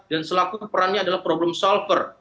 dan selaku perannya adalah problem solver